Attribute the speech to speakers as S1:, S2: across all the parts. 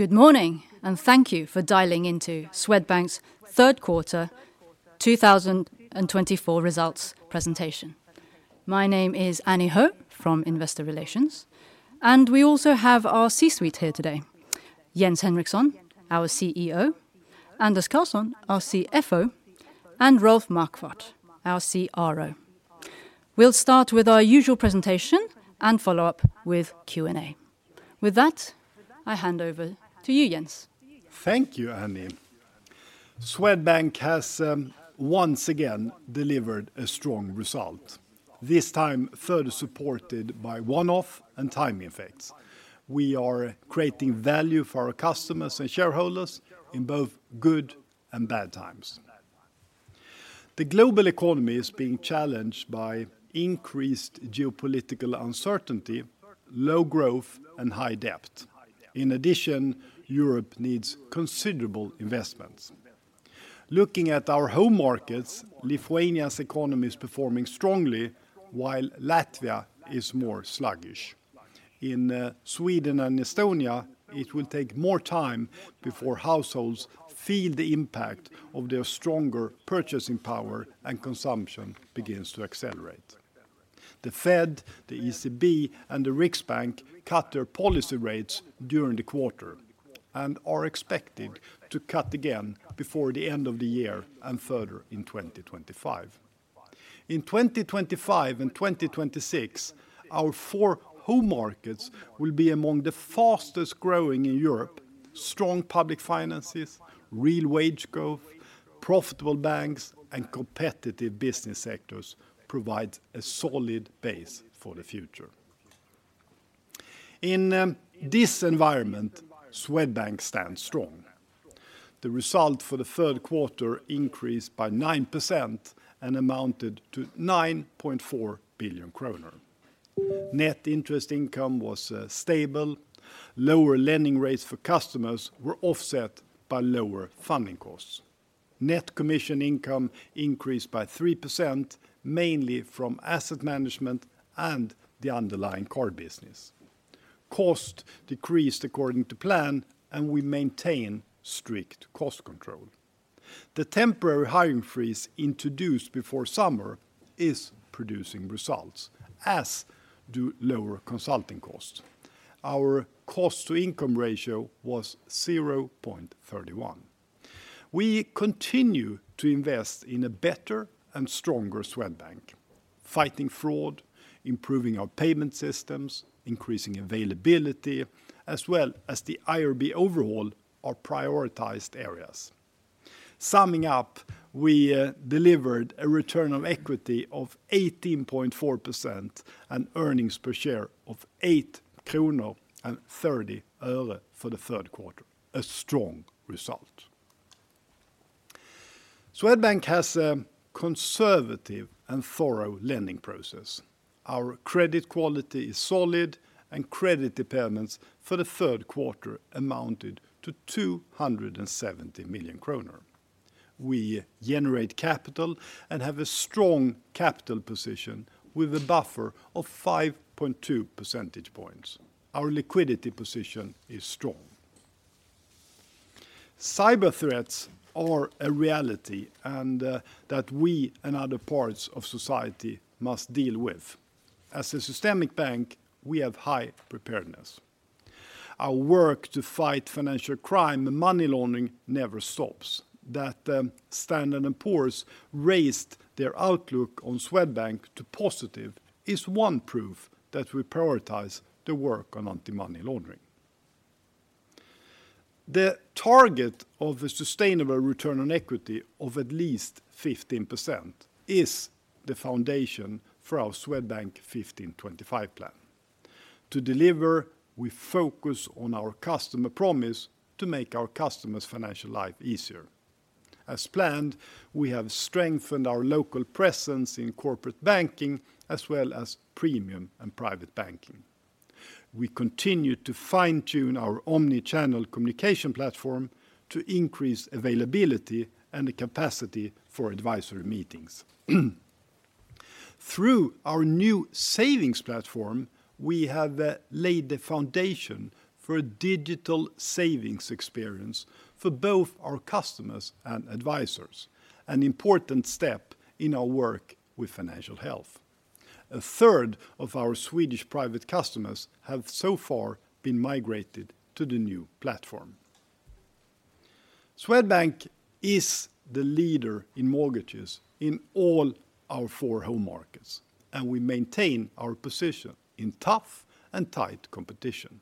S1: Good morning, and thank you for dialing into Swedbank's third quarter two thousand and twenty-four results presentation. My name is Annie Ho from Investor Relations, and we also have our C-suite here today, Jens Henriksson, our CEO, Anders Karlsson, our CFO, and Rolf Marquardt, our CRO. We'll start with our usual presentation and follow up with Q&A. With that, I hand over to you, Jens.
S2: Thank you, Annie. Swedbank has once again delivered a strong result, this time further supported by one-off and timing effects. We are creating value for our customers and shareholders in both good and bad times. The global economy is being challenged by increased geopolitical uncertainty, low growth, and high debt. In addition, Europe needs considerable investments. Looking at our home markets, Lithuania's economy is performing strongly, while Latvia is more sluggish. In Sweden and Estonia, it will take more time before households feel the impact of their stronger purchasing power and consumption begins to accelerate. The Fed, the ECB, and the Riksbank cut their policy rates during the quarter and are expected to cut again before the end of the year and further in twenty twenty-five. In twenty twenty-five and twenty twenty-six, our four home markets will be among the fastest growing in Europe. Strong public finances, real wage growth, profitable banks, and competitive business sectors provide a solid base for the future. In this environment, Swedbank stands strong. The result for the third quarter increased by 9% and amounted to 9.4 billion kronor. Net interest income was stable. Lower lending rates for customers were offset by lower funding costs. Net commission income increased by 3%, mainly from asset management and the underlying core business. Cost decreased according to plan, and we maintain strict cost control. The temporary hiring freeze introduced before summer is producing results, as do lower consulting costs. Our cost-to-income ratio was 0.31. We continue to invest in a better and stronger Swedbank, fighting fraud, improving our payment systems, increasing availability, as well as the IRB overhaul, are prioritized areas. Summing up, we delivered a return on equity of 18.4% and earnings per share of 8.30 kronor for the third quarter, a strong result. Swedbank has a conservative and thorough lending process. Our credit quality is solid, and credit impairments for the third quarter amounted to 270 million kronor. We generate capital and have a strong capital position with a buffer of 5.2 percentage points. Our liquidity position is strong. Cyber threats are a reality, and that we and other parts of society must deal with. As a systemic bank, we have high preparedness. Our work to fight financial crime and money laundering never stops. That Standard & Poor's raised their outlook on Swedbank to positive is one proof that we prioritize the work on anti-money laundering. The target of a sustainable return on equity of at least 15% is the foundation for our Swedbank 15/25 plan. To deliver, we focus on our customer promise to make our customers' financial life easier. As planned, we have strengthened our local presence in corporate banking, as well as Premium and Private Banking. We continue to fine-tune our omni-channel communication platform to increase availability and the capacity for advisory meetings. Through our new savings platform, we have laid the foundation for a digital savings experience for both our customers and advisors, an important step in our work with financial health. A third of our Swedish private customers have so far been migrated to the new platform. Swedbank is the leader in mortgages in all our four home markets, and we maintain our position in tough and tight competition.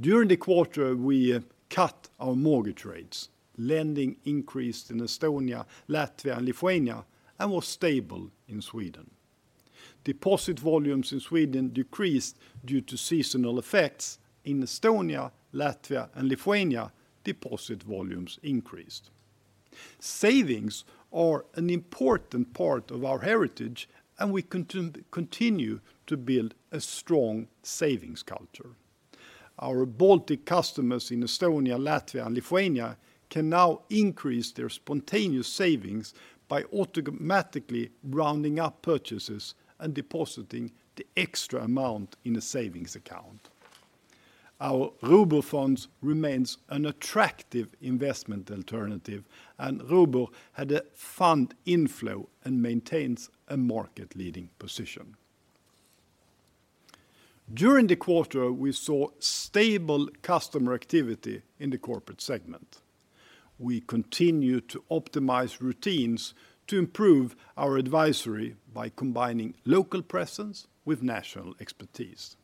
S2: During the quarter, we cut our mortgage rates. Lending increased in Estonia, Latvia, and Lithuania, and was stable in Sweden. Deposit volumes in Sweden decreased due to seasonal effects. In Estonia, Latvia, and Lithuania, deposit volumes increased. Savings are an important part of our heritage, and we continue to build a strong savings culture. Our Baltic customers in Estonia, Latvia, and Lithuania can now increase their spontaneous savings by automatically rounding up purchases and depositing the extra amount in a savings account. Our Robur funds remains an attractive investment alternative, and Robur had a fund inflow and maintains a market-leading position. During the quarter, we saw stable customer activity in the corporate segment. We continue to optimize routines to improve our advisory by combining local presence with national expertise.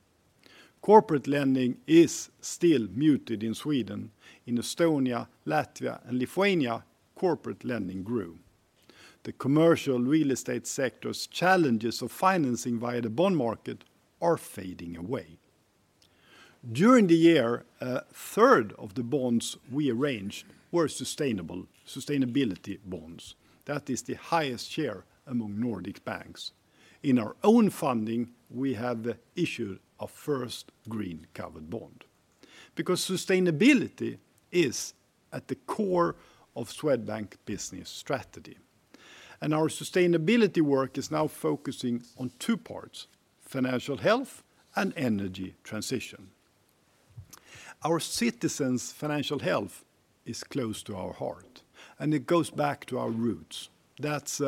S2: Corporate lending is still muted in Sweden. In Estonia, Latvia, and Lithuania, corporate lending grew. The commercial real estate sector's challenges of financing via the bond market are fading away. During the year, a third of the bonds we arranged were sustainability bonds. That is the highest share among Nordic banks. In our own funding, we have issued a first green covered bond. Because sustainability is at the core of Swedbank's business strategy, and our sustainability work is now focusing on two parts: financial health and energy transition. Our citizens' financial health is close to our heart, and it goes back to our roots. That's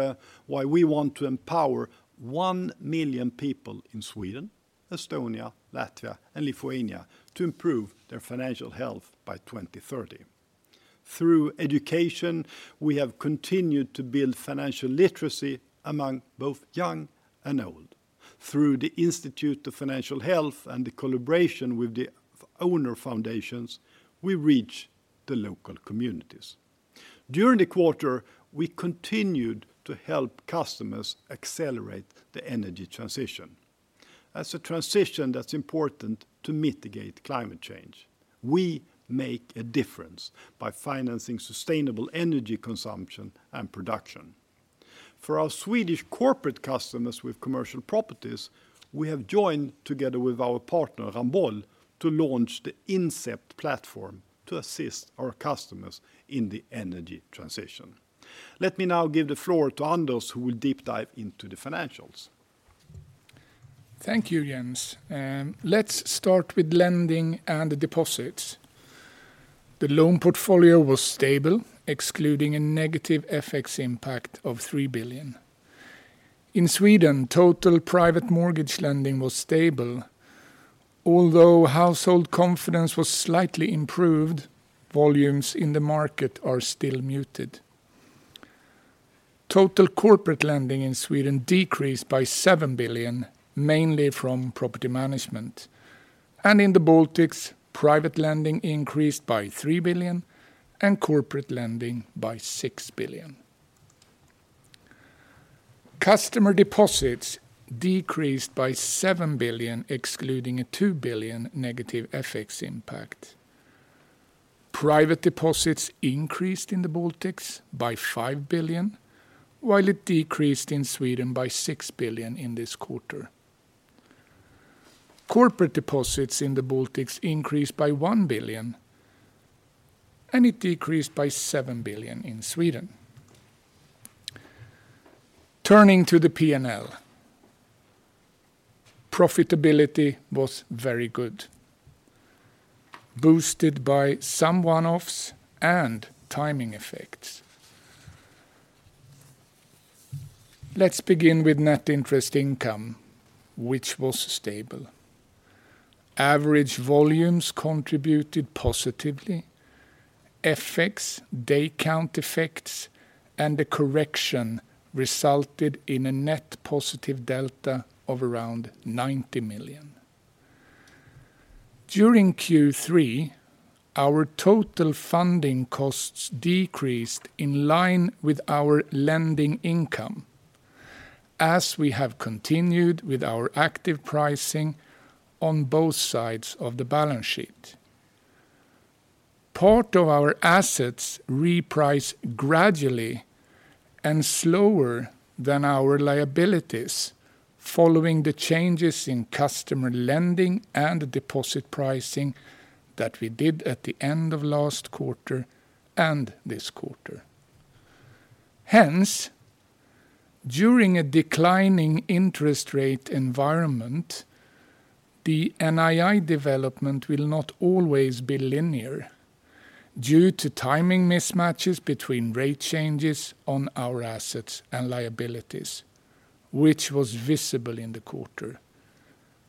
S2: why we want to empower one million people in Sweden, Estonia, Latvia, and Lithuania to improve their financial health by 2030. Through education, we have continued to build financial literacy among both young and old. Through the Institute of Financial Health and the collaboration with the owner foundations, we reach the local communities. During the quarter, we continued to help customers accelerate the energy transition. That's a transition that's important to mitigate climate change. We make a difference by financing sustainable energy consumption and production. For our Swedish corporate customers with commercial properties, we have joined together with our partner, Ramboll, to launch the Incept platform to assist our customers in the energy transition. Let me now give the floor to Anders, who will deep dive into the financials.
S3: Thank you, Jens. Let's start with lending and deposits. The loan portfolio was stable, excluding a negative FX impact of 3 billion. In Sweden, total private mortgage lending was stable. Although household confidence was slightly improved, volumes in the market are still muted. Total corporate lending in Sweden decreased by 7 billion, mainly from property management, and in the Baltics, private lending increased by 3 billion and corporate lending by 6 billion. Customer deposits decreased by 7 billion, excluding a 2 billion negative FX impact. Private deposits increased in the Baltics by 5 billion, while it decreased in Sweden by 6 billion in this quarter. Corporate deposits in the Baltics increased by 1 billion, and it decreased by 7 billion in Sweden. Turning to the P&L, profitability was very good, boosted by some one-offs and timing effects. Let's begin with net interest income, which was stable. Average volumes contributed positively. FX, day count effects, and the correction resulted in a net positive delta of around 90 million. During Q3, our total funding costs decreased in line with our lending income, as we have continued with our active pricing on both sides of the balance sheet. Part of our assets reprice gradually and slower than our liabilities, following the changes in customer lending and deposit pricing that we did at the end of last quarter and this quarter. Hence, during a declining interest rate environment, the NII development will not always be linear due to timing mismatches between rate changes on our assets and liabilities, which was visible in the quarter.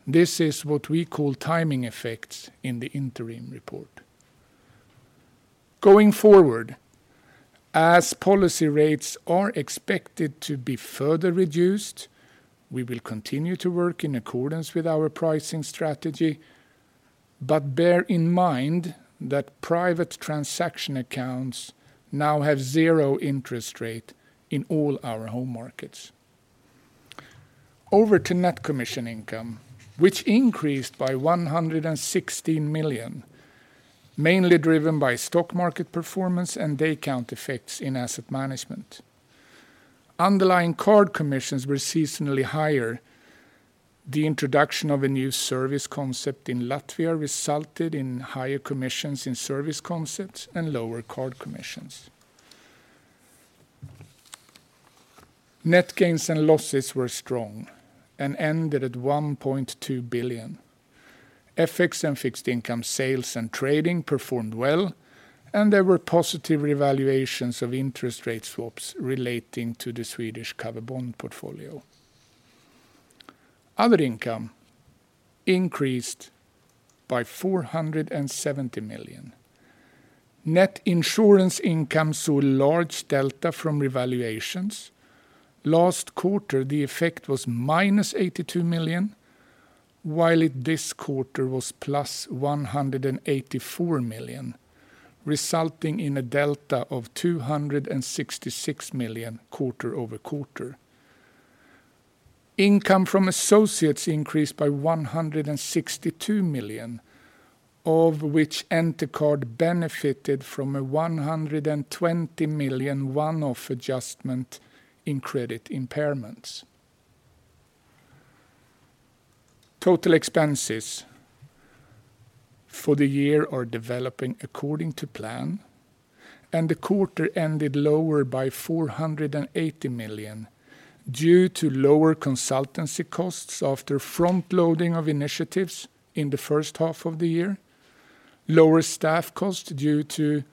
S3: This is what we call timing effects in the interim report. Going forward, as policy rates are expected to be further reduced, we will continue to work in accordance with our pricing strategy, but bear in mind that private transaction accounts now have 0% interest rate in all our home markets. Over to net commission income, which increased by 116 million, mainly driven by stock market performance and day count effects in asset management. Underlying card commissions were seasonally higher. The introduction of a new service concept in Latvia resulted in higher commissions in service concepts and lower card commissions. Net gains and losses were strong and ended at 1.2 billion. FX and fixed income sales and trading performed well, and there were positive revaluations of interest rate swaps relating to the Swedish covered bond portfolio. Other income increased by 470 million. Net insurance income saw a large delta from revaluations. Last quarter, the effect was -82 million, while in this quarter it was 184 million, resulting in a delta of 266 million quarter-over-quarter. Income from associates increased by 162 million, of which Entercard benefited from a 120 million one-off adjustment in credit impairments. Total expenses for the year are developing according to plan, and the quarter ended lower by 480 million due to lower consultancy costs after front loading of initiatives in the first half of the year, lower staff costs due to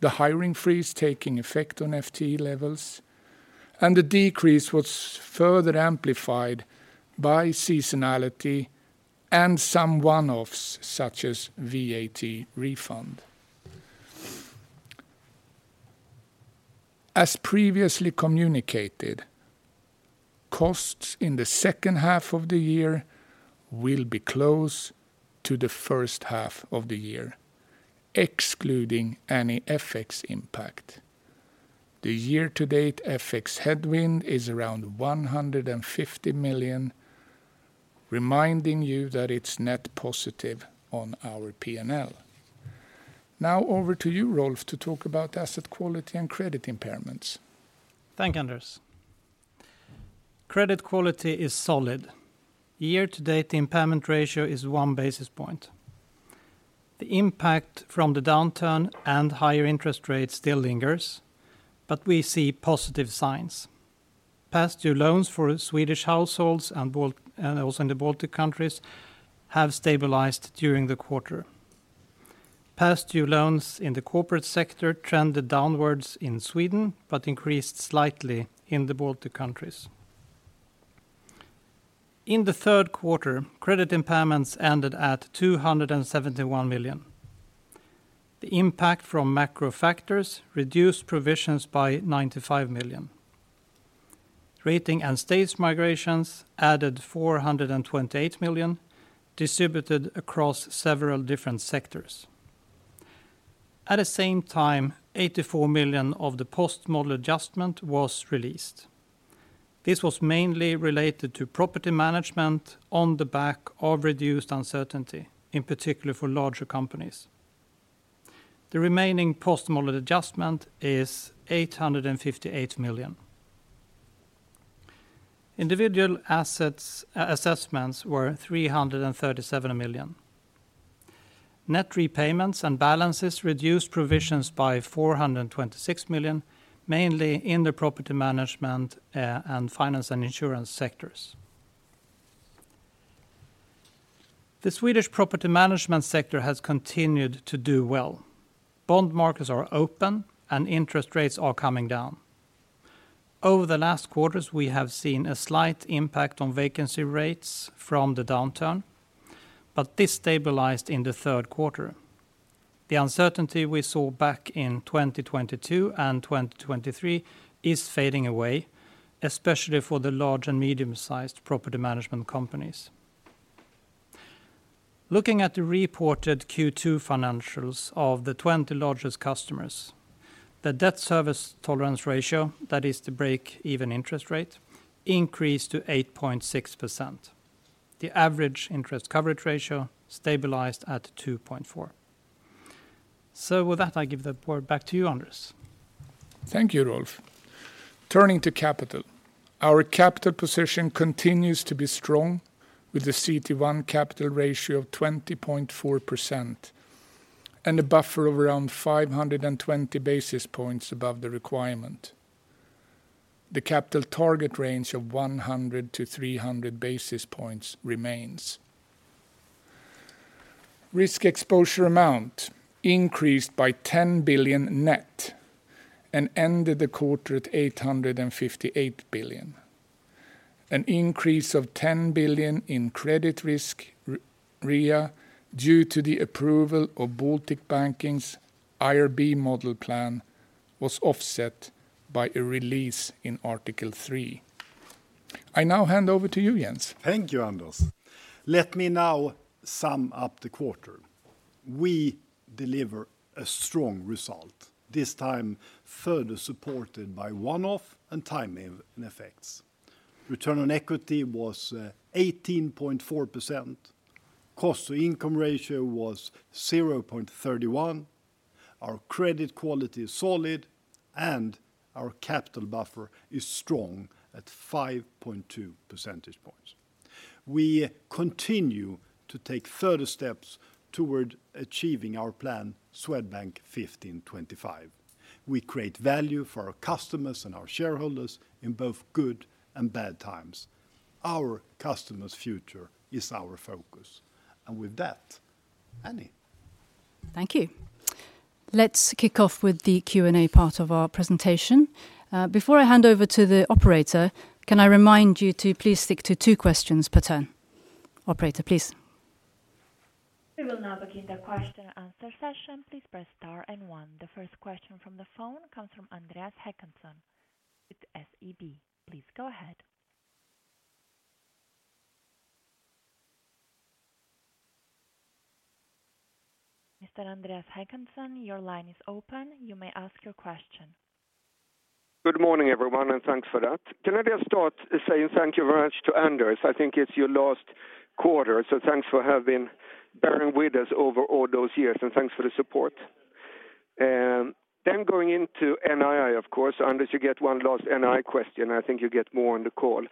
S3: the hiring freeze taking effect on FTE levels, and the decrease was further amplified by seasonality and some one-offs, such as VAT refund. As previously communicated, costs in the second half of the year will be close to the first half of the year, excluding any FX impact. The year-to-date FX headwind is around 150 million, reminding you that it's net positive on our P&L. Now, over to you, Rolf, to talk about asset quality and credit impairments.
S4: Thank you, Anders. Credit quality is solid. Year to date, the impairment ratio is one basis point. The impact from the downturn and higher interest rates still lingers, but we see positive signs. Past due loans for Swedish households and Baltic and also in the Baltic countries have stabilized during the quarter. Past due loans in the corporate sector trended downwards in Sweden, but increased slightly in the Baltic countries. In the third quarter, credit impairments ended at 271 million. The impact from macro factors reduced provisions by 95 million. Ratings and stage migrations added 428 million, distributed across several different sectors. At the same time, 84 million of the post-model adjustment was released. This was mainly related to property management on the back of reduced uncertainty, in particular for larger companies. The remaining post-model adjustment is 858 million. Individual assets assessments were 337 million. Net repayments and balances reduced provisions by 426 million, mainly in the property management and finance and insurance sectors. The Swedish property management sector has continued to do well. Bond markets are open, and interest rates are coming down. Over the last quarters, we have seen a slight impact on vacancy rates from the downturn, but this stabilized in the third quarter. The uncertainty we saw back in 2022 and 2023 is fading away, especially for the large and medium-sized property management companies. Looking at the reported Q2 financials of the 20 largest customers, the debt service tolerance ratio, that is the break-even interest rate, increased to 8.6%. The average interest coverage ratio stabilized at 2.4. So with that, I give the floor back to you, Anders.
S3: Thank you, Rolf. Turning to capital. Our capital position continues to be strong, with the CET1 capital ratio of 20.4% and a buffer of around 520 basis points above the requirement. The capital target range of 100 to 300 basis points remains. Risk exposure amount increased by 10 billion net and ended the quarter at 858 billion. An increase of 10 billion in credit risk REA due to the approval of Baltic Banking's IRB model plan was offset by a release in Article 3. I now hand over to you, Jens.
S2: Thank you, Anders. Let me now sum up the quarter. We deliver a strong result, this time further supported by one-off and timing effects. Return on equity was 18.4%, cost to income ratio was 0.31, our credit quality is solid, and our capital buffer is strong at 5.2 percentage points. We continue to take further steps toward achieving our plan, Swedbank 15/25. We create value for our customers and our shareholders in both good and bad times. Our customers' future is our focus. And with that, Annie.
S1: Thank you. Let's kick off with the Q&A part of our presentation. Before I hand over to the operator, can I remind you to please stick to two questions per turn? Operator, please.
S5: We will now begin the question and answer session. Please press star and one. The first question from the phone comes from Andreas Håkansson with SEB. Please go ahead. Mr. Andreas Håkansson, your line is open. You may ask your question.
S6: Good morning, everyone, and thanks for that. Can I just start saying thank you very much to Anders? I think it's your last quarter, so thanks for bearing with us over all those years, and thanks for the support. Then going into NII, of course, Anders, you get one last NII question. I think you get more on the call.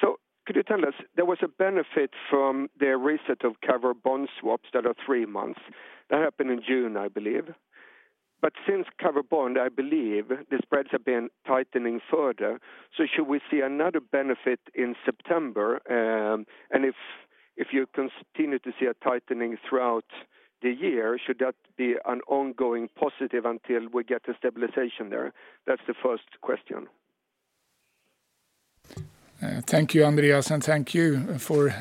S6: So could you tell us there was a benefit from the reset of covered bond swaps that are three months. That happened in June, I believe. But since covered bond, I believe the spreads have been tightening further. So should we see another benefit in September? And if you continue to see a tightening throughout the year, should that be an ongoing positive until we get a stabilization there? That's the first question.
S3: Thank you, Andreas, and thank you for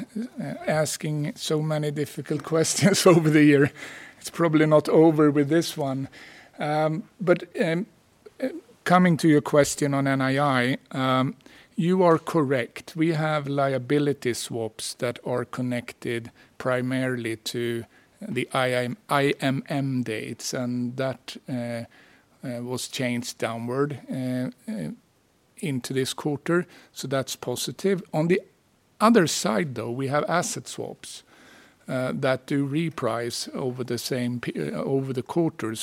S3: asking so many difficult questions over the year. It's probably not over with this one. Coming to your question on NII, you are correct. We have liability swaps that are connected primarily to the IMM dates, and that was changed downward into this quarter, so that's positive. On the other side, though, we have asset swaps that do reprice over the same over the quarter.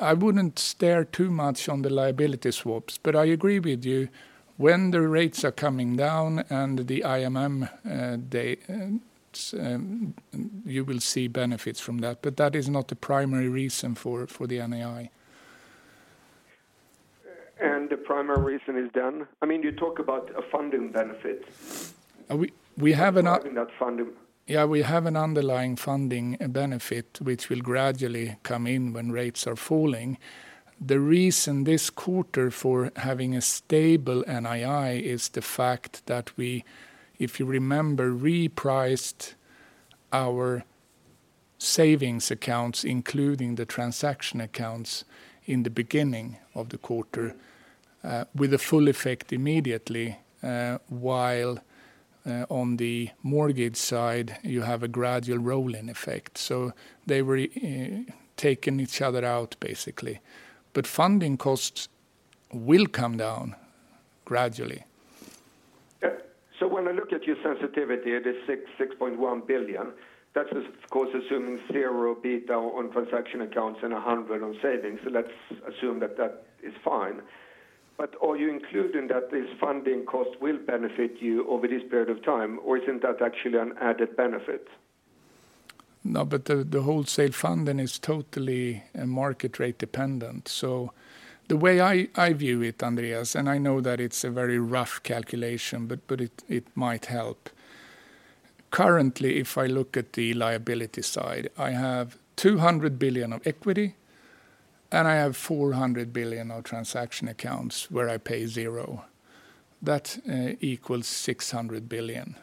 S3: I wouldn't stare too much on the liability swaps, but I agree with you. When the rates are coming down and the IMM date, you will see benefits from that, but that is not the primary reason for the NII.
S6: The primary reason is done? I mean, you talk about a funding benefit.
S3: We have an-
S6: Talking about funding.
S3: Yeah, we have an underlying funding benefit, which will gradually come in when rates are falling. The reason this quarter for having a stable NII is the fact that we, if you remember, repriced our savings accounts, including the transaction accounts, in the beginning of the quarter, with a full effect immediately, while, on the mortgage side, you have a gradual rolling effect. So they were, taking each other out, basically. But funding costs will come down gradually.
S6: Yeah. So when I look at your sensitivity, it is 6.6 billion. That's, of course, assuming zero beta on transaction accounts and 100 on savings. So let's assume that that is fine. But are you including that this funding cost will benefit you over this period of time, or isn't that actually an added benefit?
S3: No, but the wholesale funding is totally market rate dependent. So the way I view it, Andreas, and I know that it's a very rough calculation, but it might help. Currently, if I look at the liability side, I have 200 billion of equity, and I have 400 billion of transaction accounts where I pay zero. That equals 600 billion,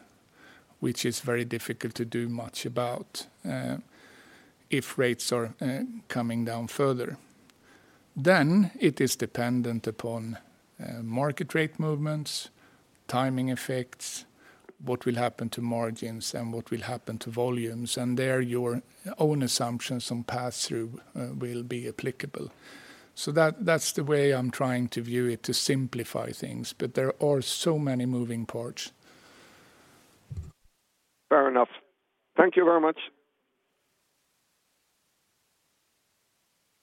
S3: which is very difficult to do much about if rates are coming down further. Then it is dependent upon market rate movements, timing effects, what will happen to margins, and what will happen to volumes, and there, your own assumptions on passthrough will be applicable. So that's the way I'm trying to view it, to simplify things, but there are so many moving parts.
S6: Fair enough. Thank you very much.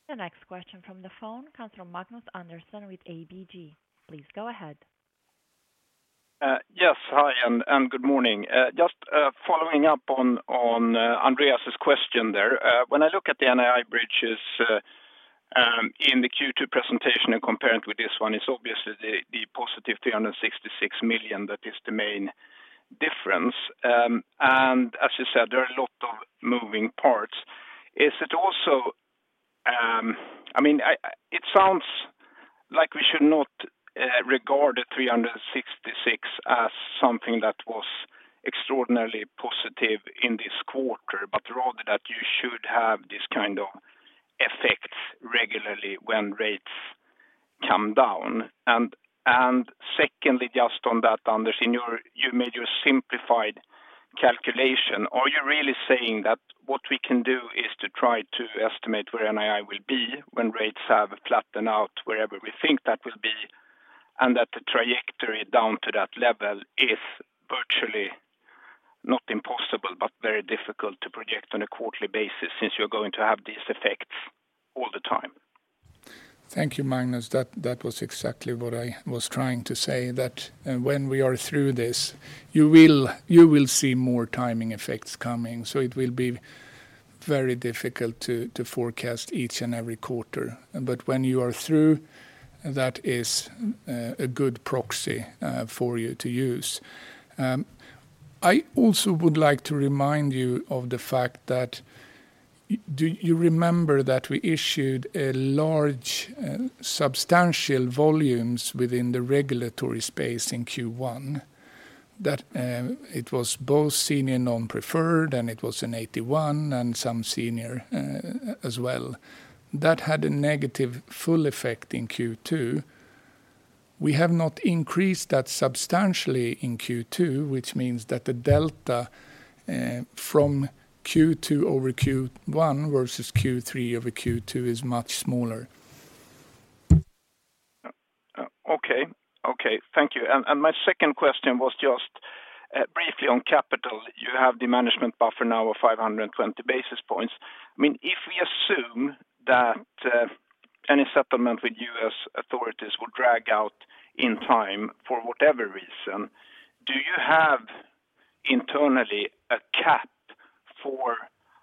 S5: The next question from the phone comes from Magnus Andersson with ABG. Please go ahead.
S7: Yes, hi, and good morning. Just following up on Andreas's question there. When I look at the NII bridges in the Q2 presentation and comparing it with this one, it's obviously the positive 366 million that is the main difference. And as you said, there are a lot of moving parts. Is it also I mean, it sounds like we should not regard the 366 million as something that was extraordinarily positive in this quarter, but rather that you should have this kind of effects regularly when rates come down. And secondly, just on that, Anders, you made your simplified calculation. Are you really saying that what we can do is to try to estimate where NII will be when rates have flattened out wherever we think that will be, and that the trajectory down to that level is virtually not impossible, but very difficult to project on a quarterly basis since you're going to have these effects all the time?
S3: Thank you, Magnus. That, that was exactly what I was trying to say, that, when we are through this, you will, you will see more timing effects coming. So it will be very difficult to forecast each and every quarter. But when you are through, that is, a good proxy, for you to use. I also would like to remind you of the fact that do you remember that we issued a large, substantial volumes within the regulatory space in Q1? That, it was both senior non-preferred, and it was in AT1 and some senior, as well. That had a negative full effect in Q2. We have not increased that substantially in Q2, which means that the delta, from Q2 over Q1 versus Q3 over Q2 is much smaller.
S7: Okay, thank you. And my second question was just briefly on capital. You have the management buffer now of 520 basis points. I mean, if we assume that any settlement with U.S. authorities will drag out in time for whatever reason, do you have internally a cap for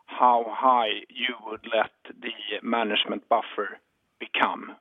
S7: how high you would let the management buffer become?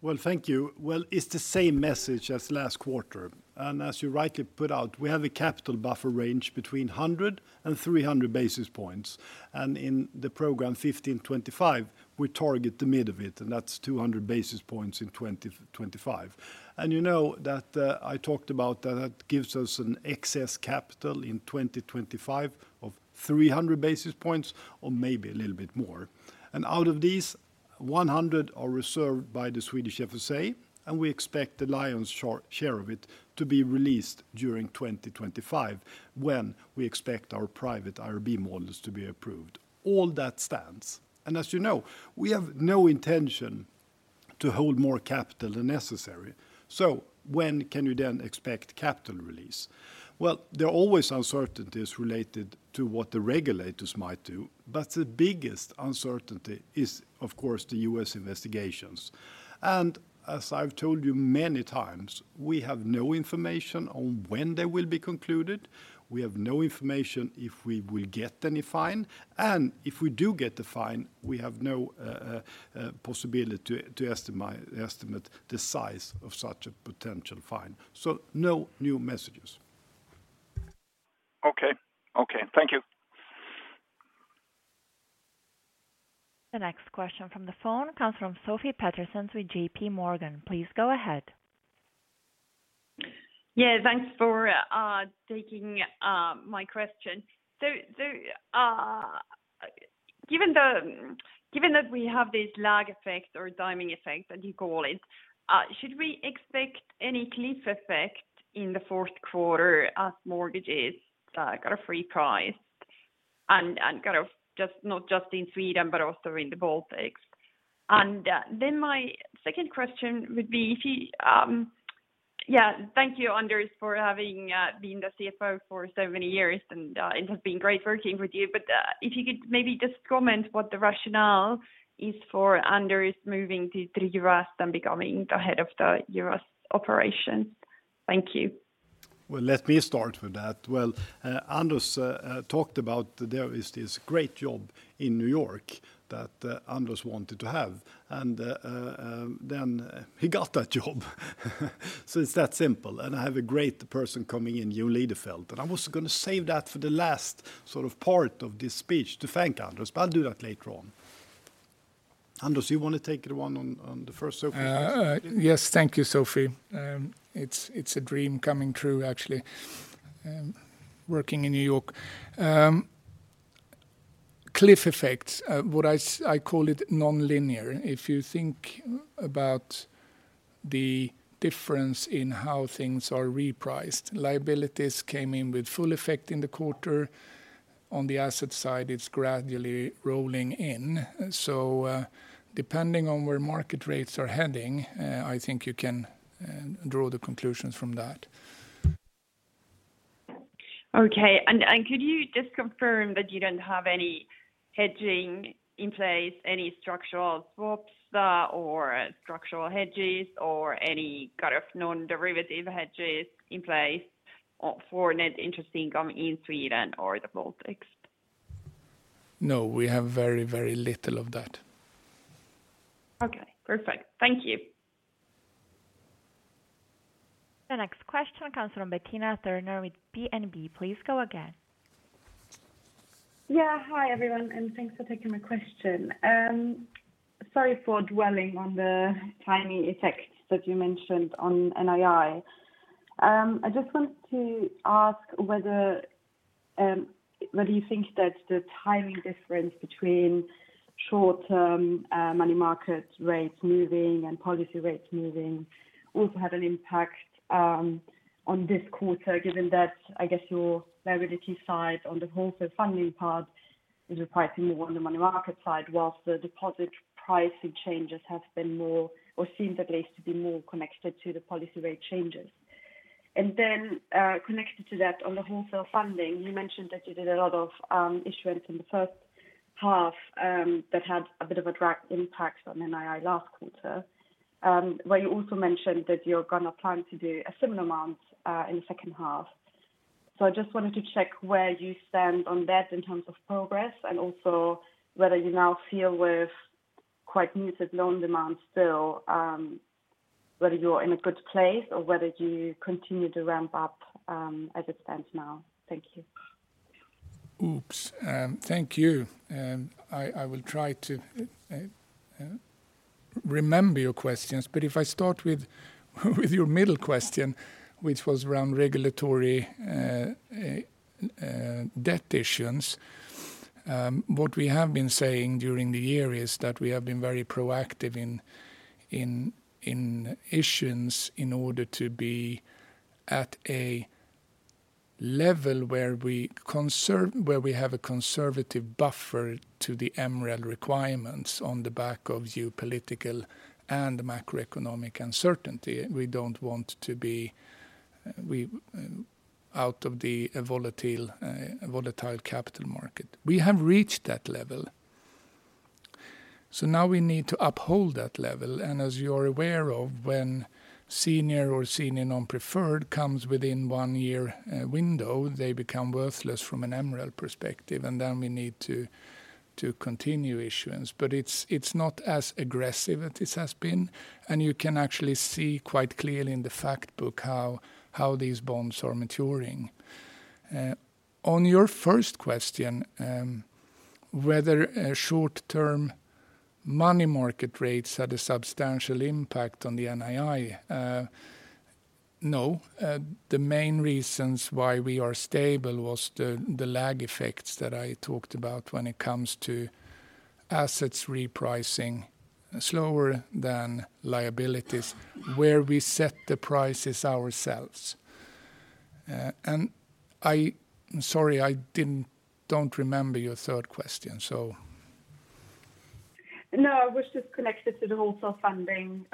S2: Well, thank you. Well, it's the same message as last quarter, and as you rightly put out, we have a capital buffer range between 100 and 300 basis points, and in the program 15/25, we target the mid of it, and that's 200 basis points in 2025. And you know that I talked about that gives us an excess capital in 2025 of 300 basis points or maybe a little bit more. And out of these, 100 are reserved by the Swedish FSA, and we expect the lion's share of it to be released during 2025, when we expect our private IRB models to be approved. All that stands, and as you know, we have no intention to hold more capital than necessary. So when can you then expect capital release? There are always uncertainties related to what the regulators might do, but the biggest uncertainty is, of course, the U.S. investigations. And as I've told you many times, we have no information on when they will be concluded. We have no information if we will get any fine, and if we do get the fine, we have no possibility to estimate the size of such a potential fine. No new messages.
S7: Okay. Okay, thank you.
S5: The next question from the phone comes from Sofie Peterzens with JPMorgan. Please go ahead.
S8: Yeah, thanks for taking my question. So, given that we have this lag effect or timing effect, as you call it, should we expect any cliff effect in the fourth quarter as mortgages got free pricing and kind of just not just in Sweden but also in the Baltics? And then my second question would be if you. Yeah, thank you, Anders, for having been the CFO for so many years, and it has been great working with you. But if you could maybe just comment what the rationale is for Anders moving to the U.S. and becoming the head of the U.S. operation. Thank you.
S2: Let me start with that. Anders talked about there is this great job in New York that Anders wanted to have, and then he got that job. It's that simple, and I have a great person coming in, Jon Lidefelt. I was gonna save that for the last sort of part of this speech to thank Anders, but I'll do that later on. Anders, you want to take the one on the first Sofie question?
S3: Yes, thank you, Sofie. It's a dream coming true, actually, working in New York. Cliff effects, what I call it nonlinear. If you think about the difference in how things are repriced, liabilities came in with full effect in the quarter. On the asset side, it's gradually rolling in. So, depending on where market rates are heading, I think you can draw the conclusions from that.
S8: Okay. And could you just confirm that you don't have any hedging in place, any structural swaps, or structural hedges, or any kind of non-derivative hedges in place for net interest income in Sweden or the Baltics?
S3: No, we have very, very little of that.
S8: Okay, perfect. Thank you.
S5: The next question comes from Bettina Turner with DNB. Please go again.
S9: Yeah. Hi, everyone, and thanks for taking my question. Sorry for dwelling on the timing effects that you mentioned on NII. I just wanted to ask whether you think that the timing difference between short-term money market rates moving and policy rates moving also had an impact on this quarter, given that, I guess your liability side on the wholesale funding part is probably more on the money market side, whilst the deposit pricing changes have been more or seems at least to be more connected to the policy rate changes? And then, connected to that, on the wholesale funding, you mentioned that you did a lot of issuance in the first half, that had a bit of a drag impact on NII last quarter. But you also mentioned that you're gonna plan to do a similar amount in the second half. So I just wanted to check where you stand on that in terms of progress, and also whether you now feel, with quite muted loan demand still, whether you're in a good place or whether you continue to ramp up, as it stands now? Thank you.
S3: Oops, thank you. I will try to remember your questions. But if I start with your middle question, which was around regulatory debt issuance. What we have been saying during the year is that we have been very proactive in issuance in order to be at a level where we have a conservative buffer to the MREL requirements on the back of geopolitical and macroeconomic uncertainty. We don't want to be out of the volatile capital market. We have reached that level, so now we need to uphold that level. And as you're aware of, when senior or senior non-preferred comes within one year window, they become worthless from an MREL perspective, and then we need to continue issuance. But it's not as aggressive as it has been, and you can actually see quite clearly in the fact book how these bonds are maturing. On your first question, whether short-term money market rates had a substantial impact on the NII, no. The main reasons why we are stable was the lag effects that I talked about when it comes to assets repricing slower than liabilities, where we set the prices ourselves. And I'm sorry, I don't remember your third question, so.
S9: No, it was just connected to the wholesale funding,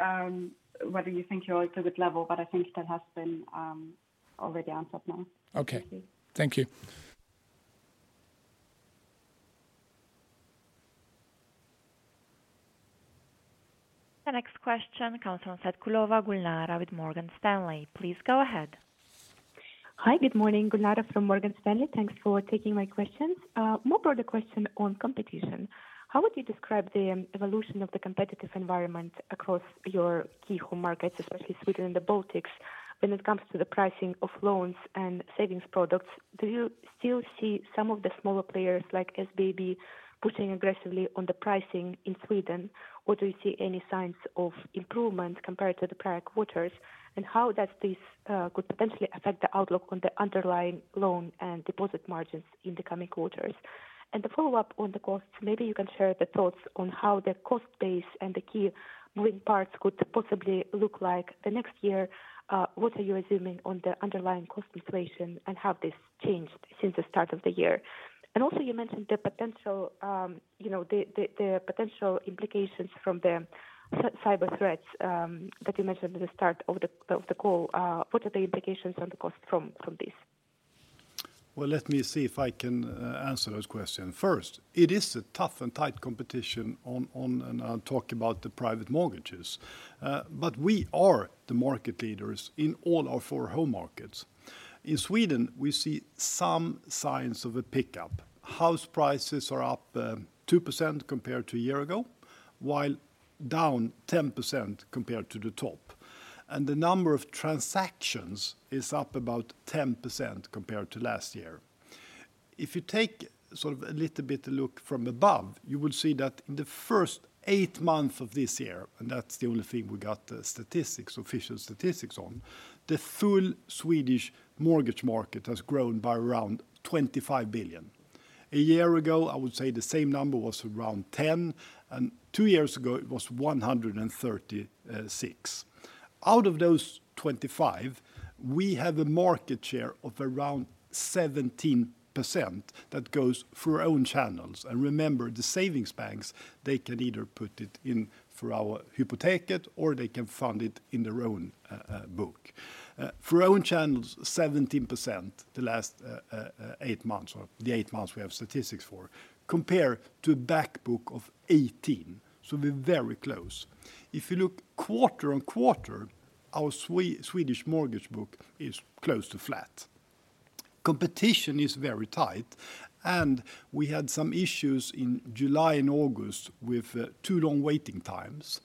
S9: whether you think you're at a good level, but I think that has been already answered now.
S3: Okay.
S9: Thank you.
S3: Thank you.
S5: The next question comes from Gulnara Saitkulova with Morgan Stanley. Please go ahead.
S10: Hi, good morning. Gulnara from Morgan Stanley. Thanks for taking my questions. More broader question on competition: How would you describe the evolution of the competitive environment across your key home markets, especially Sweden and the Baltics, when it comes to the pricing of loans and savings products? Do you still see some of the smaller players, like SBAB, pushing aggressively on the pricing in Sweden, or do you see any signs of improvement compared to the prior quarters? And how does this could potentially affect the outlook on the underlying loan and deposit margins in the coming quarters? And the follow-up on the costs, maybe you can share the thoughts on how the cost base and the key moving parts could possibly look like the next year. What are you assuming on the underlying cost inflation, and have this changed since the start of the year? And also, you mentioned the potential, you know, the potential implications from the cyber threats that you mentioned at the start of the call. What are the implications on the cost from this?
S2: Let me see if I can answer those questions. First, it is a tough and tight competition on. I'll talk about the private mortgages. But we are the market leaders in all our four home markets. In Sweden, we see some signs of a pickup. House prices are up 2% compared to a year ago, while down 10% compared to the top, and the number of transactions is up about 10% compared to last year. If you take sort of a little bit look from above, you will see that in the first eight months of this year, and that's the only thing we got the statistics, official statistics on, the full Swedish mortgage market has grown by around 25 billion. A year ago, I would say the same number was around 10, and two years ago it was 136. Out of those 25, we have a market share of around 17% that goes through our own channels. And remember, the savings banks, they can either put it in through our Hypotek or they can fund it in their own book. Through our own channels, 17%, the last eight months or the eight months we have statistics for, compared to a back book of 18, so we're very close. If you look quarter-on-quarter, our Swedish mortgage book is close to flat. Competition is very tight, and we had some issues in July and August with two long waiting times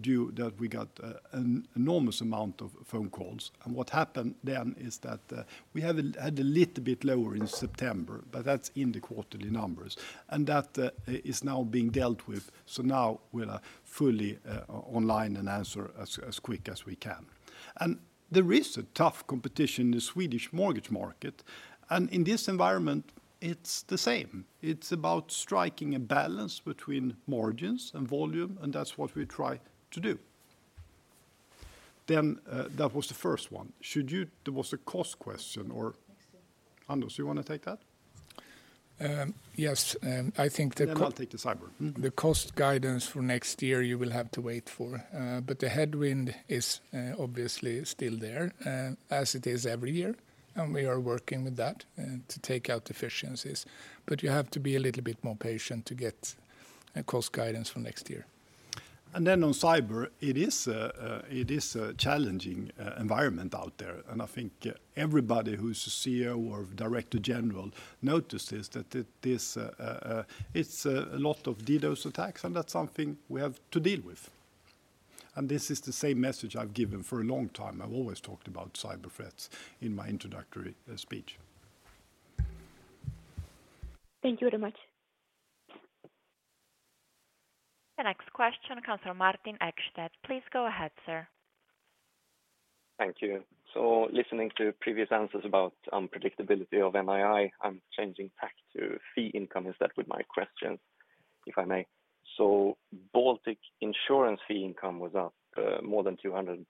S2: due that we got an enormous amount of phone calls. And what happened then is that we had a little bit lower in September, but that's in the quarterly numbers, and that is now being dealt with. So now we're fully online and answer as quick as we can. And there is a tough competition in the Swedish mortgage market, and in this environment it's the same. It's about striking a balance between margins and volume, and that's what we try to do. Then that was the first one. Should you - There was a cost question or- Anders, you wanna take that?
S3: Yes, I think the-
S2: Then, I'll take the cyber.
S3: The cost guidance for next year, you will have to wait for, but the headwind is, obviously still there, as it is every year, and we are working with that, to take out efficiencies. But you have to be a little bit more patient to get a cost guidance for next year.
S2: Then on cyber, it is a challenging environment out there, and I think everybody who's a CEO or director general notices that it is a lot of DDoS attacks, and that's something we have to deal with. This is the same message I've given for a long time. I've always talked about cyber threats in my introductory speech.
S10: Thank you very much.
S5: The next question comes from Martin Ekstedt. Please go ahead, sir.
S11: Thank you. So listening to previous answers about predictability of NII, I'm changing tack to fee income. Is that with my question, if I may? So Baltic insurance fee income was up more than 200%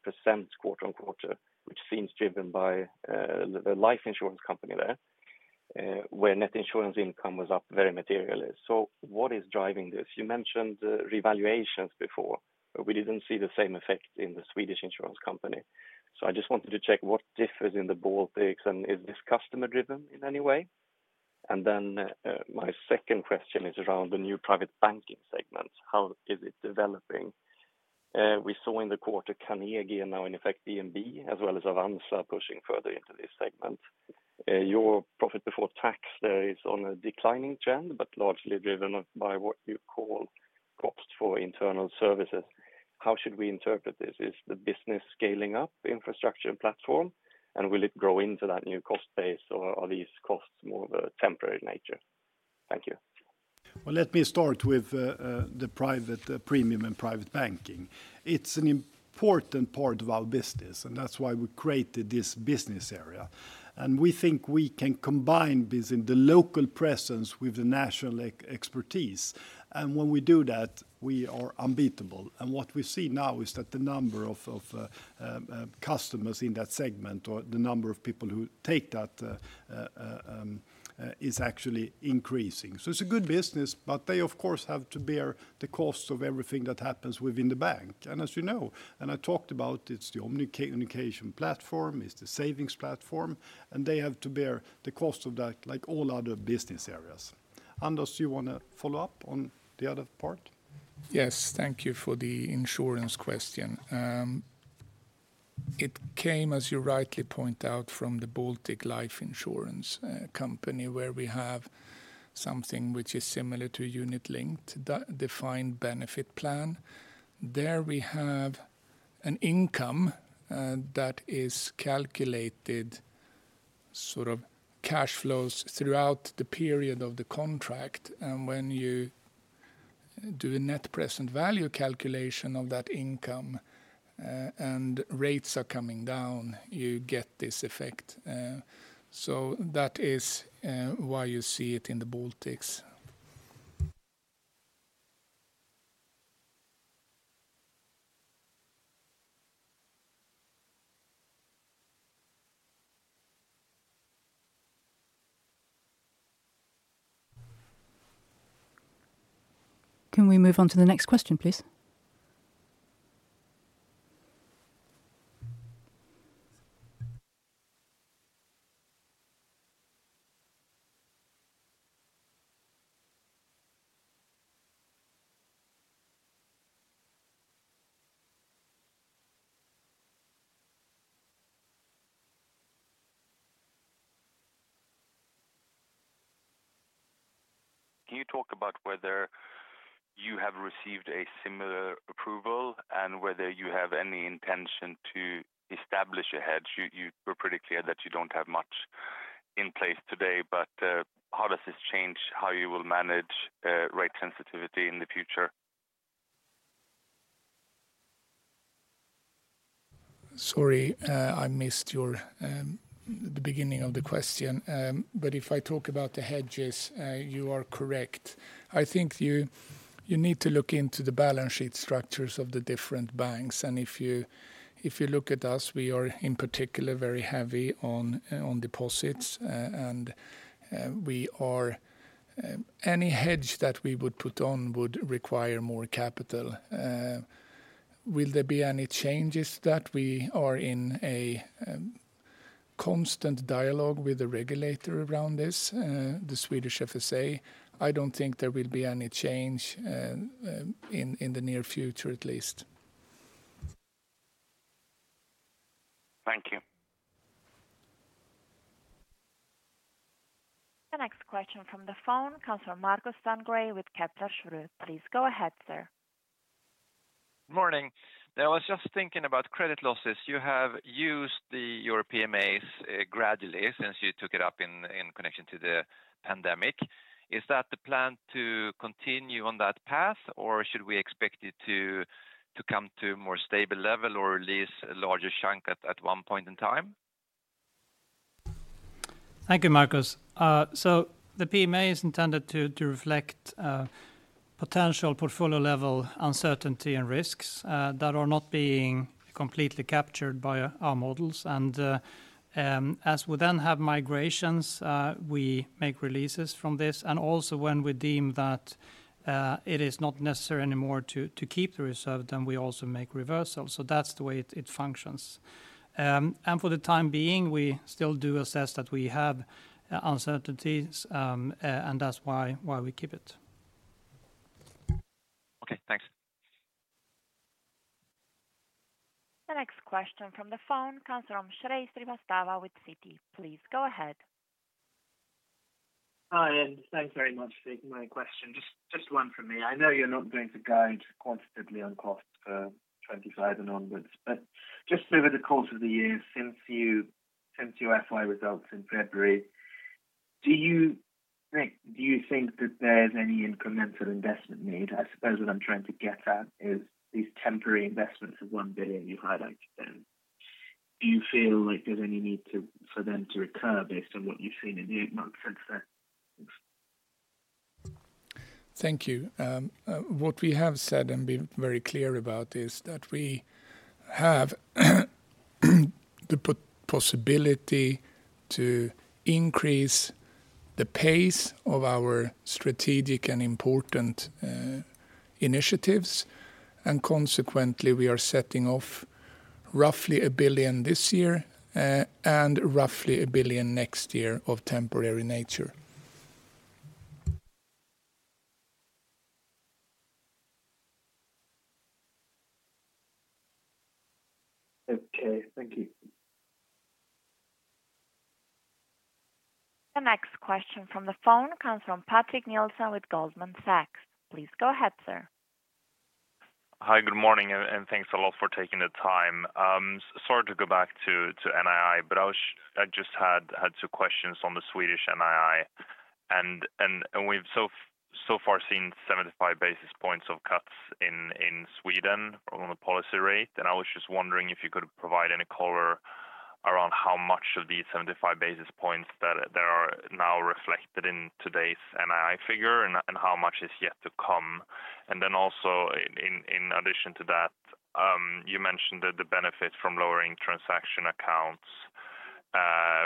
S11: quarter-on-quarter, which seems driven by the life insurance company there, where net insurance income was up very materially. So what is driving this? You mentioned the revaluations before, but we didn't see the same effect in the Swedish insurance company. So I just wanted to check what differs in the Baltics, and is this customer-driven in any way? And then my second question is around the new private banking segment. How is it developing? We saw in the quarter Carnegie, and now in effect, DNB, as well as Avanza, pushing further into this segment. Your profit before tax there is on a declining trend, but largely driven by what you call cost for internal services. How should we interpret this? Is the business scaling up infrastructure and platform, and will it grow into that new cost base, or are these costs more of a temporary nature? Thank you.
S2: Let me start with the private premium and private banking. It's an important part of our business, and that's why we created this business area. And we think we can combine this in the local presence with the national expertise, and when we do that, we are unbeatable. And what we see now is that the number of customers in that segment or the number of people who take that is actually increasing. So it's a good business, but they of course have to bear the cost of everything that happens within the bank. And as you know, and I talked about, it's the omni communication platform, it's the savings platform, and they have to bear the cost of that like all other business areas. Anders, do you wanna follow up on the other part?
S3: Yes, thank you for the insurance question. It came, as you rightly point out, from the Baltic Life Insurance Company, where we have something which is similar to a unit-linked defined benefit plan. There we have an income that is calculated sort of cash flows throughout the period of the contract, and when you do a net present value calculation of that income, and rates are coming down, you get this effect. So that is why you see it in the Baltics.
S1: Can we move on to the next question, please?
S11: Can you talk about whether you have received a similar approval and whether you have any intention to establish a hedge? You were pretty clear that you don't have much in place today, but how does this change how you will manage rate sensitivity in the future?
S3: Sorry, I missed your, the beginning of the question. But if I talk about the hedges, you are correct. I think you need to look into the balance sheet structures of the different banks, and if you look at us, we are, in particular, very heavy on on deposits, and any hedge that we would put on would require more capital. Will there be any changes that we are in a constant dialogue with the regulator around this, the Swedish FSA? I don't think there will be any change in the near future, at least.
S11: Thank you.
S5: The next question from the phone comes from Markus Sandgren with Kepler Cheuvreux. Please go ahead, sir.
S12: Morning. I was just thinking about credit losses. You have used your PMAs gradually since you took it up in connection to the pandemic. Is that the plan to continue on that path, or should we expect it to come to a more stable level, or release a larger chunk at one point in time?
S4: Thank you, Markus. So the PMA is intended to reflect potential portfolio level uncertainty and risks that are not being completely captured by our models. And as we then have migrations, we make releases from this, and also when we deem that it is not necessary anymore to keep the reserve, then we also make reversals. So that's the way it functions. And for the time being, we still do assess that we have uncertainties, and that's why we keep it.
S13: Okay, thanks.
S5: The next question from the phone comes from Shrey Srivastava with Citi. Please go ahead.
S14: Hi, and thanks very much for taking my question. Just one from me. I know you're not going to guide quantitatively on costs for twenty-five and onwards, but just over the course of the year, since your FY results in February, do you think that there's any incremental investment made? I suppose what I'm trying to get at is these temporary investments of 1 billion you highlighted then. Do you feel like there's any need for them to recur based on what you've seen in the eight months since then?
S2: Thank you. What we have said and been very clear about is that we have the possibility to increase the pace of our strategic and important initiatives, and consequently, we are setting off roughly 1 billion this year, and roughly 1 billion next year of temporary nature.
S14: Okay, thank you.
S5: The next question from the phone comes from Patrik Nilsson with Goldman Sachs. Please go ahead, sir.
S15: Hi, good morning, and thanks a lot for taking the time. Sorry to go back to NII, but I just had two questions on the Swedish NII. We've so far seen 75 basis points of cuts in Sweden on the policy rate. I was just wondering if you could provide any color around how much of these 75 basis points are now reflected in today's NII figure, and how much is yet to come? Then also in addition to that, you mentioned that the benefits from lowering transaction accounts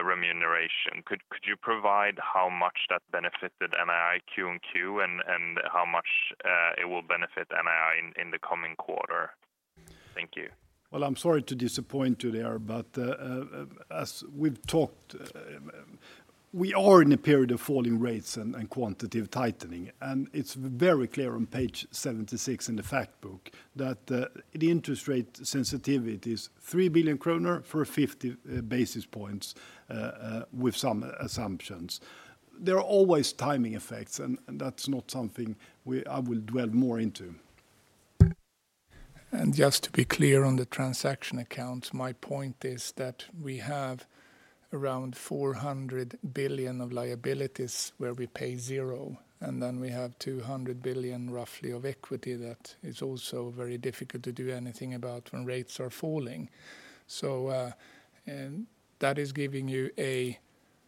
S15: remuneration. Could you provide how much that benefited NII in Q1 and Q2, and how much it will benefit NII in the coming quarter? Thank you.
S2: Well, I'm sorry to disappoint you there, but, as we've talked, we are in a period of falling rates and quantitative tightening, and it's very clear on page seventy-six in the fact book that the interest rate sensitivity is 3 billion kronor for a fifty basis points with some assumptions. There are always timing effects, and that's not something we-- I will dwell more into.
S3: Just to be clear on the transaction account, my point is that we have around 400 billion of liabilities where we pay zero, and then we have 200 billion, roughly, of equity that is also very difficult to do anything about when rates are falling. That is giving you a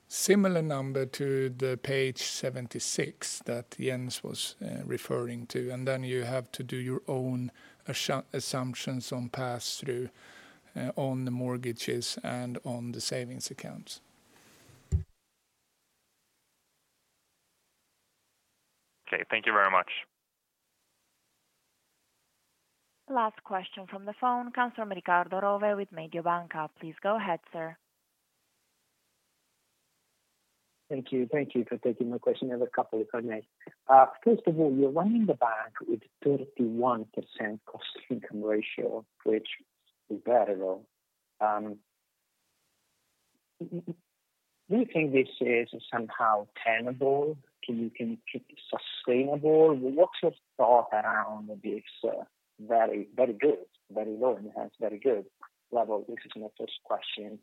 S3: similar number to page 76 that Jens was referring to, and then you have to do your own assumptions on pass-through on the mortgages and on the savings accounts.
S15: Okay, thank you very much.
S5: Last question from the phone comes from Riccardo Rovere with Mediobanca. Please go ahead, sir.
S16: Thank you. Thank you for taking my question. I have a couple if I may. First of all, you're running the bank with 31% cost income ratio, which is very low. Do you think this is somehow tenable, so you can keep it sustainable? What's your thought around this, very, very good, very low, and has very good level? This is my first question.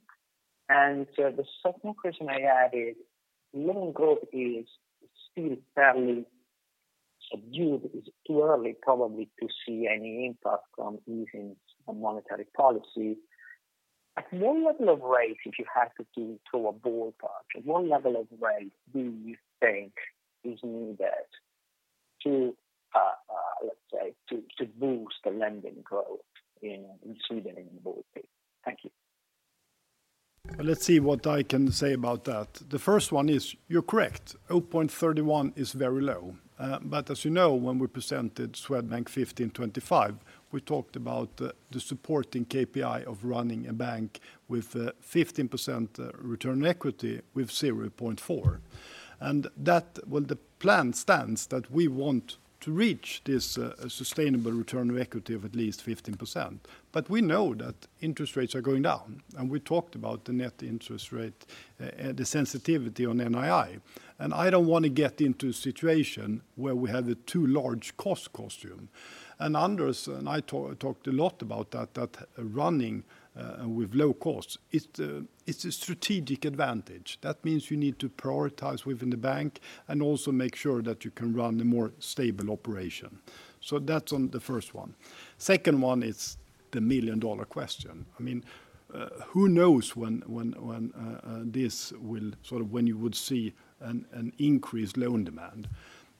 S16: The second question I add is, loan growth is still fairly subdued. It's too early, probably, to see any impact from easing the monetary policy. At what level of rates, if you had to do through a ballpark, at what level of rate do you think is needed to, let's say, to boost the lending growth in Sweden in the Baltics? Thank you.
S2: Let's see what I can say about that. The first one is, you're correct, zero point thirty-one is very low. But as you know, when we presented Swedbank fifteen twenty-five, we talked about the supporting KPI of running a bank with a 15% return on equity with zero point four. Well, the plan stands that we want to reach this sustainable return on equity of at least 15%. But we know that interest rates are going down, and we talked about the net interest rate, the sensitivity on NII. I don't want to get into a situation where we have a too large cost base. Anders and I talked a lot about that, running with low costs. It's a strategic advantage. That means you need to prioritize within the bank and also make sure that you can run a more stable operation. So that's on the first one. Second one is the million-dollar question. I mean, who knows when this will sort of, when you would see an increased loan demand?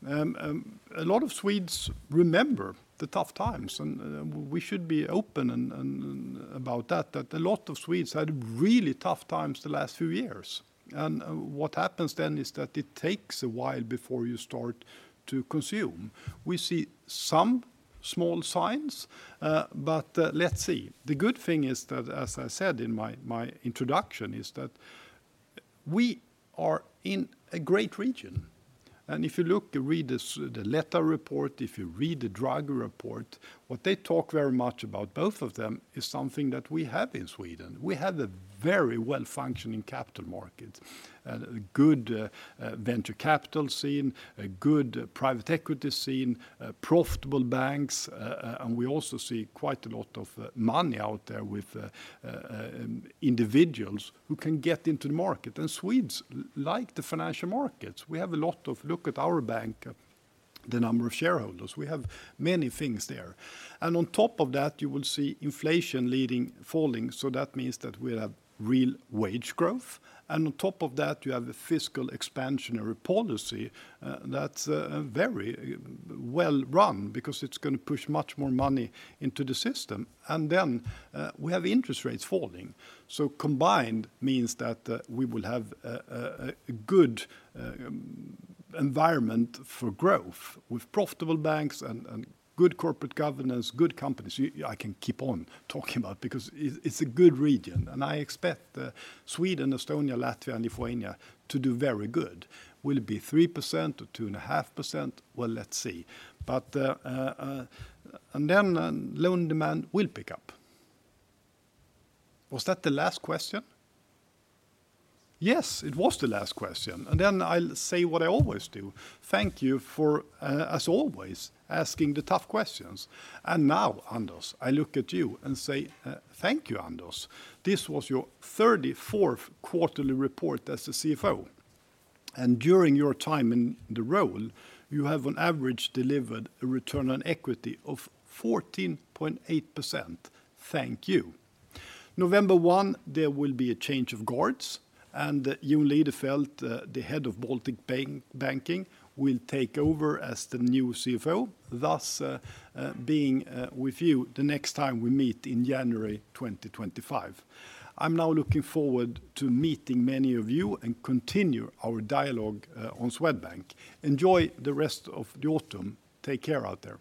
S2: A lot of Swedes remember the tough times, and we should be open and about that a lot of Swedes had really tough times the last few years. And what happens then is that it takes a while before you start to consume. We see some small signs, but let's see. The good thing is that, as I said in my introduction, is that we are in a great region. And if you look, read this, the Letta report, if you read the Draghi report, what they talk very much about, both of them, is something that we have in Sweden. We have a very well-functioning capital market, and a good, venture capital scene, a good private equity scene, profitable banks, and we also see quite a lot of, money out there with, individuals who can get into the market. And Swedes like the financial markets. We have a lot of, look at our bank, the number of shareholders. We have many things there. And on top of that, you will see inflation leading falling, so that means that we have real wage growth. And on top of that, you have a fiscal expansionary policy, that's very well run because it's going to push much more money into the system. And then we have interest rates falling. So combined means that we will have a good environment for growth, with profitable banks and good corporate governance, good companies. I can keep on talking about because it's a good region, and I expect Sweden, Estonia, Latvia, and Lithuania to do very good. Will it be 3% or 2.5%? Well, let's see. But and then loan demand will pick up. Was that the last question? Yes, it was the last question. And then I'll say what I always do. Thank you for as always asking the tough questions. And now, Anders, I look at you and say thank you, Anders. This was your 34th quarterly report as the CFO, and during your time in the role, you have on average delivered a return on equity of 14.8%. Thank you. November 1, there will be a change of guard, and Jon Lidefelt, the head of Baltic Banking, will take over as the new CFO, thus being with you the next time we meet in January 2025. I'm now looking forward to meeting many of you and continue our dialogue on Swedbank. Enjoy the rest of the autumn. Take care out there.